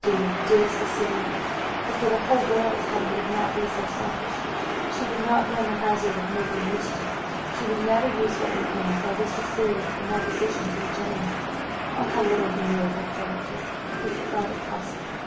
Dear, dear Cecilia! but for the whole world Helen would not be so selfish she would not run the hazard of making mischief. She would never use her influence over Cecilia in opposition to the general. Oh, how little he knew of her character, if he thought it possible.